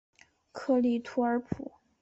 克利图尔普。